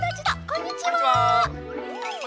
こんにちは！